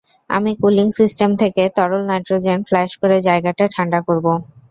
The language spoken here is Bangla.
আমি কুলিং সিস্টেম থেকে তরল নাইট্রোজেন ফ্ল্যাশ করে জায়গাটা ঠান্ডা করব।